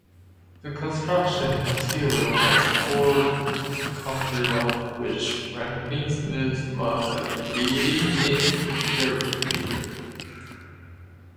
The construction material was poured concrete, of which Franklin Smith was a leading experimenter.